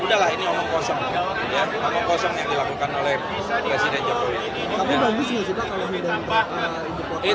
udah lah ini omong kosong omong kosong yang dilakukan oleh presiden jokowi